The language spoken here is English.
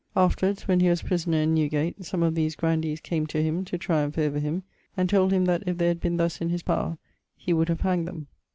Afterwards, when he was prisoner in Newgate, some of these grandees came to him to triumph over him, and told him that if they had been thus in his power, he would have hanged them.